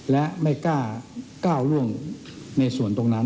และไม่กล้าก้าวร่วงในส่วนตรงนั้น